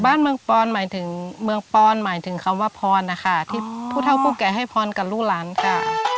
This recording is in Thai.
บ้านเมืองปอนหมายถึงเมืองปอนหมายถึงคำว่าพรนะคะที่ผู้เท่าผู้แก่ให้พรกับลูกหลานค่ะ